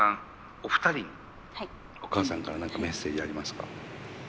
お二人にお母さんから何かメッセージありますか？